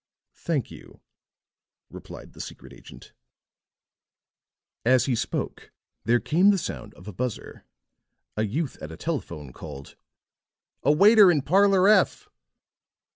"Thank you," replied the secret agent. As he spoke there came the sound of a buzzer; a youth at a telephone called: "A waiter in Parlor F."